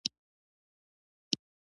رس د مېوې خوږه ژبه ده